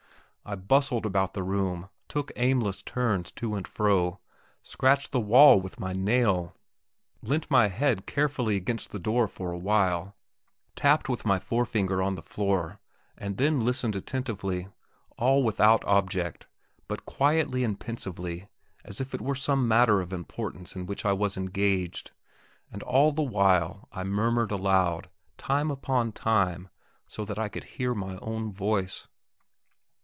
I bustled about the room, took aimless turns to and fro, scratched the wall with my nail, leant my head carefully against the door for a while, tapped with my forefinger on the floor, and then listened attentively, all without any object, but quietly and pensively as if it were some matter of importance in which I was engaged; and all the while I murmured aloud, time upon time, so that I could hear my own voice.